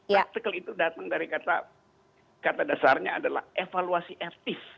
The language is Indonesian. practical itu datang dari kata kata dasarnya adalah evaluasi ethics